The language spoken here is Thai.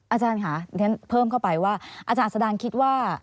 อาจารย์ค่ะเพิ่มเข้าไปว่าอาจารย์อัศดานคิดว่า